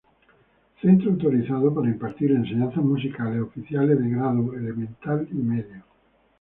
Centro autorizado para impartir enseñanzas musicales oficiales de grado elemental y medio.